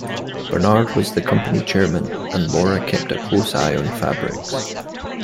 Bernard was the company chairman and Laura kept a close eye on fabrics.